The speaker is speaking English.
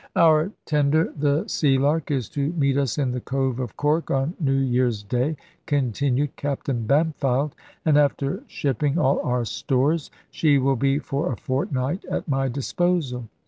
"Our tender the Sealark is to meet us in the Cove of Cork on New Year's Day," continued Captain Bampfylde; "and after shipping all our stores, she will be for a fortnight at my disposal.